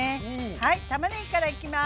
はいたまねぎからいきます。